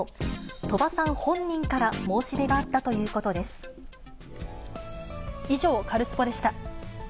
鳥羽さん本人から申し出があった以上、カルスポっ！でした。